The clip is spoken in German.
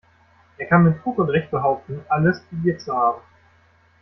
Er kann mit Fug und Recht behaupten, alles probiert zu haben.